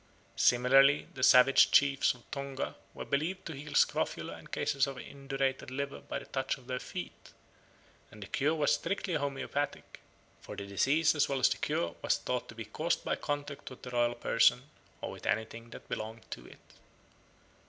Similarly the savage chiefs of Tonga were believed to heal scrofula and cases of indurated liver by the touch of their feet; and the cure was strictly homoeopathic, for the disease as well as the cure was thought to be caused by contact with the royal person or with anything that belonged to it.